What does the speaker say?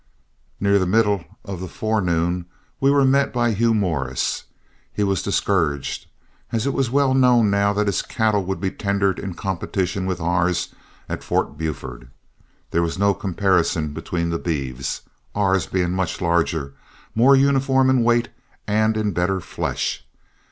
Near the middle of the forenoon we were met by Hugh Morris. He was discouraged, as it was well known now that his cattle would be tendered in competition with ours at Fort Buford. There was no comparison between the beeves, ours being much larger, more uniform in weight, and in better flesh.